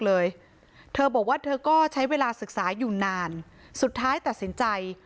เลยเธอบอกว่าเธอก็ใช้เวลาศึกษาอยู่นานสุดท้ายตัดสินใจ